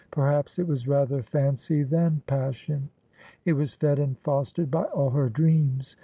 Perhaps it was rather fancy than passion. It was fed and fostered by all her dreams.